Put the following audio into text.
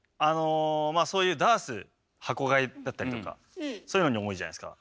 そういうダース箱買いだったりとかそういうのに多いじゃないですか。